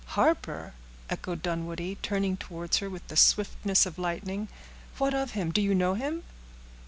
"Harper!" echoed Dunwoodie, turning towards her with the swiftness of lightning; "what of him? Do you know him?"